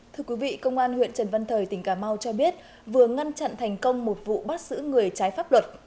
thưa quý vị công an huyện trần văn thời tỉnh cà mau cho biết vừa ngăn chặn thành công một vụ bắt giữ người trái pháp luật